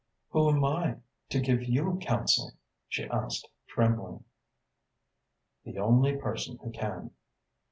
"Who am I to give you counsel?" she asked, trembling. "The only person who can."